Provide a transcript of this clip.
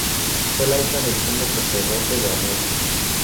Fue la hija del sumo sacerdote de Amón.